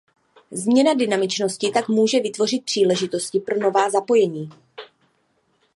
Změna dynamičnosti tak může vytvořit příležitosti pro nová zapojení.